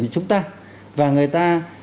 như chúng ta và người ta